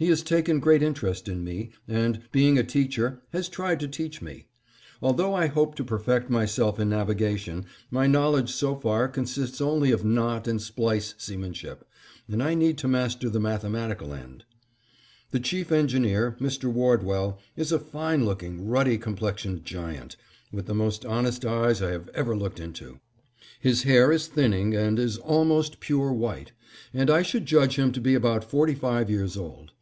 He has taken great interest in me and, being a teacher, has tried to teach me. Although I hope to perfect myself in navigation, my knowledge so far consists only of knot and splice seamanship, and I need to master the mathematical end. The Chief Engineer, Mr. Wardwell, is a fine looking, ruddy complexioned giant, with the most honest eyes I have ever looked into. His hair is thinning and is almost pure white, and I should judge him to be about forty five years old.